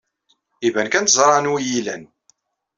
Iban kan teẓra anwa iyi-ilan.